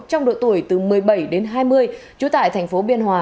trong độ tuổi từ một mươi bảy đến hai mươi trú tại thành phố biên hòa